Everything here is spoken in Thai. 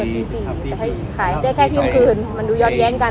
การประชุมเมื่อวานมีข้อกำชับหรือข้อกำชับอะไรเป็นพิเศษ